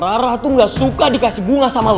rara tuh gak suka dikasih bunga sama lo